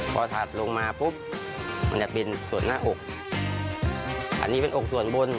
พอถัดลงมาปุ๊บมันจะเป็นส่วนหน้าอกอันนี้เป็นอกส่วนบน